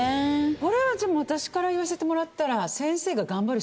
これはじゃあもう私から言わせてもらったら。